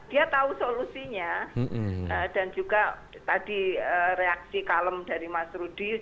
dia tahu solusinya dan juga tadi reaksi kalem dari mas rudy